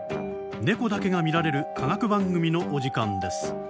ネコだけが見られる科学番組のお時間です。